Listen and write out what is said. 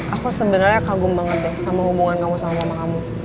aku sebenarnya kagum banget deh sama hubungan kamu sama mama kamu